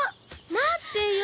待ってよ。